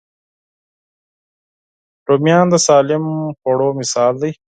رومیان د سالم خوړو مثال دی